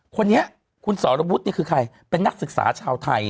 คนเนี่ยคุณสอร์ราวูธนี่คือใครเป็นนักศึกษาชาวไทย